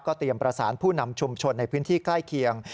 เตรียมประสานผู้นำชุมชนในพื้นที่ใกล้เคียง